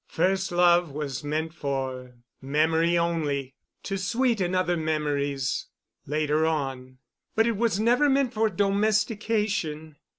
First love was meant for memory only—to sweeten other memories later on—but it was never meant for domestication.